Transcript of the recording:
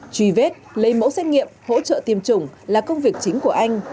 truy vết lấy mẫu xét nghiệm hỗ trợ tiêm chủng là công việc chính của anh